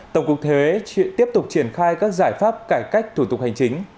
tổng cục thuế tiếp tục triển khai các giải pháp cải cách thủ tục hành chính